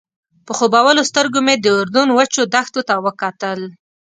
په خوبولو سترګو مې د اردن وچو دښتو ته وکتل.